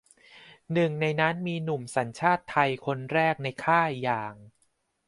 หนึ่งในนั้นมีหนุ่มสัญชาติไทยคนแรกในค่ายอย่าง